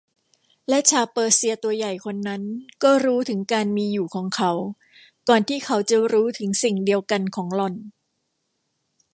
และชาวเปอร์เซียตัวใหญ่คนนั้นก็รู้ถึงการมีอยู่ของเขาก่อนที่เขาจะรู้ถึงสิ่งเดียวกันของหล่อน